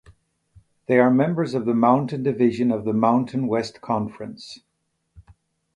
They are members of the Mountain Division of the Mountain West Conference.